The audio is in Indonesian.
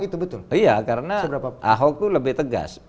iya karena ahok itu lebih tegas